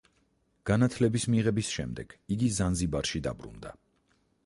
განათლების მიღების შემდეგ იგი ზანზიბარში დაბრუნდა.